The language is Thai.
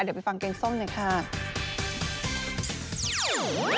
เดี๋ยวไปฟังเกงส้มด้วยค่ะ